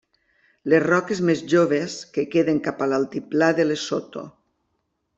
Les roques més joves que queden cap a l'altiplà de Lesotho.